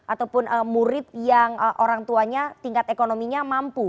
ataupun murid yang orang tuanya tingkat ekonominya mampu